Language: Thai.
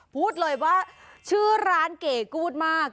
พูดเลยว่าชื่อร้านเก๋กู๊ดมาก